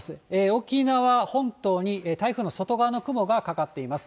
沖縄本島に台風の外側の雲がかかっています。